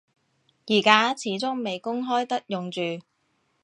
而家始終未公開得用住